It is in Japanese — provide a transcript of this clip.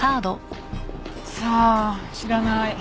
さあ知らない。